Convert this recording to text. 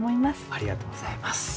ありがとうございます。